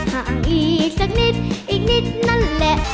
ห่างอีกสักนิดอีกนิดนั่นแหละ